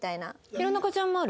弘中ちゃんもある？